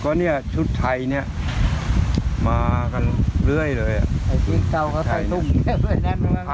ก็เนี้ยชุดไทยเนี้ยมากันเรื่อยเลยอ่ะไอ้พี่เจ้าเค้าใส่นุ่มแค่เรื่อยแน่นมากัน